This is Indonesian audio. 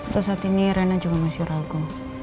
terus saat ini rana juga masih ragu